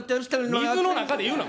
水の中で言うな！